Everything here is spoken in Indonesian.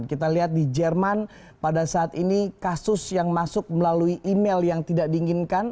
kita lihat di jerman pada saat ini kasus yang masuk melalui email yang tidak diinginkan